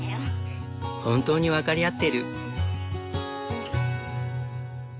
本当に分かり合ってる。